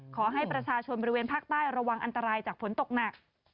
ขอให้ประชาชนบริเวณภาคใต้ระวังอันตรายจากฝนตกหนัก